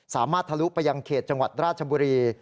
ทะลุไปยังเขตจังหวัดราชบุรี